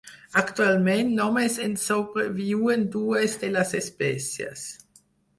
Actualment, només en sobreviuen dues de les espècies.